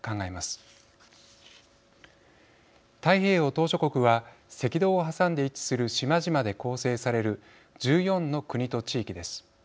島しょ国は赤道を挟んで位置する島々で構成される１４の国と地域です。